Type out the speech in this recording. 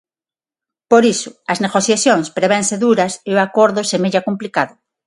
Por iso, as negociacións prevense duras e o acordo semella complicado.